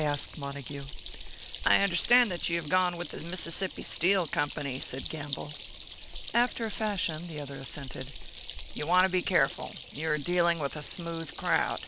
asked Montague. "I understand that you have gone with the Mississippi Steel Company," said Gamble. "After a fashion," the other assented. "You want to be careful you are dealing with a smooth crowd!